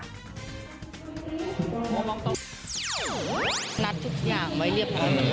นัดทุกอย่างไว้เรียบร้อยเวลา